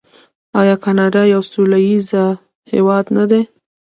آیا کاناډا یو سوله ییز هیواد نه دی؟